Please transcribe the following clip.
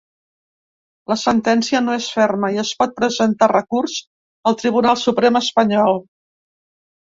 La sentència no és ferma i es pot presentar recurs al Tribunal Suprem espanyol.